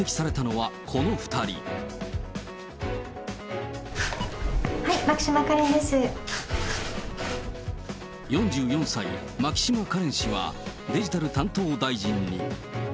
はい、４４歳、牧島かれん氏はデジタル担当大臣に。